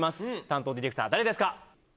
担当ディレクター誰ですか？